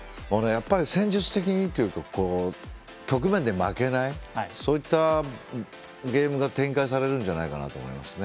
戦術的にというか局面で負けないそういったゲームが展開されるんじゃないかなと思いますね。